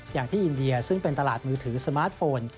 อย่างที่อินเดียซึ่งเป็นตลาดมือถือสมาร์ทโฟน